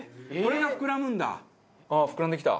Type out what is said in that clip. あっ膨らんできた。